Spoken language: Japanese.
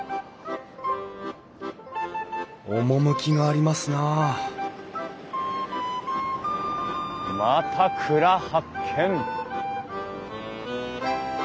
趣がありますなあまた蔵発見！